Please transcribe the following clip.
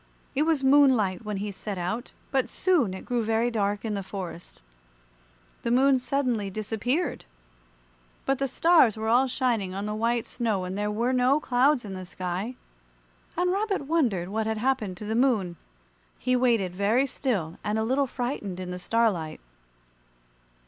It was moonlight when he set out, but soon it grew very dark in the forest. The Moon suddenly disappeared. But the stars were all shining on the white snow and there were no clouds in the sky, and Rabbit wondered what had happened to the Moon. He waited very still and a little frightened in the starlight.